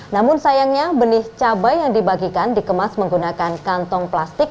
namun sayangnya benih cabai yang dibagikan dikemas menggunakan kantong plastik